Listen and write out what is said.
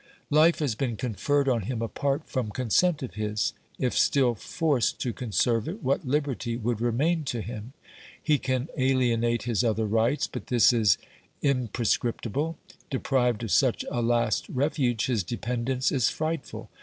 Life has been conferred on him apart from consent of his ; if still forced to conserve it, what liberty would remain to him ? He can alienate his other rights, but this is impre scriptible; deprived of such a last refuge, his dependence is frightful.